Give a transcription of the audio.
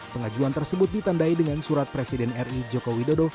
pengajuan tersebut ditandai dengan surat presiden ri joko widodo